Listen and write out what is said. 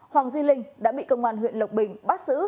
hoàng duy linh đã bị công an huyện lộc bình bắt xử